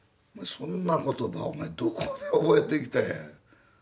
そんな言葉どこで覚えてきたんや？